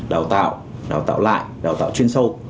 đào tạo đào tạo lại đào tạo chuyên sâu